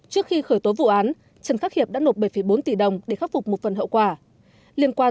trước khi khởi tố vụ án trần khắc hiệp đã nộp bảy bốn tỷ đồng để khắc phục một phần hậu quả